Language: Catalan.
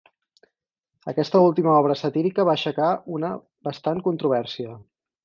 Aquesta última obra satírica va aixecar una bastant controvèrsia.